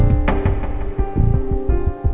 beri aku satu kesempatan